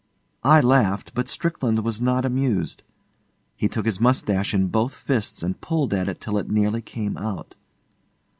I laughed, but Strickland was not amused. He took his moustache in both fists and pulled at it till it nearly came out.